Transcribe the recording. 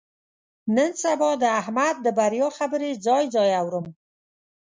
نن سبا د احمد د بریا خبرې ځای ځای اورم.